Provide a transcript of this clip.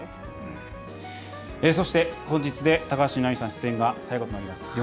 そして、本日で高橋みなみさん、出演が最後となります。